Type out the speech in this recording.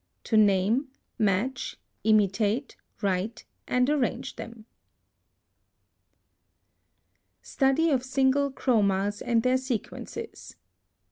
To name, match, imitate, WRITE, and arrange them. STUDY OF SINGLE CHROMAS AND THEIR SEQUENCES.